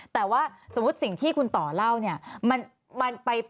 แต่ว่าสมมุติสิ่งที่คุณต่อเล่าเนี่ย